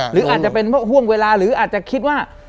หรืออาจจะเป็นเพราะห่วงเวลาหรืออาจจะคิดว่า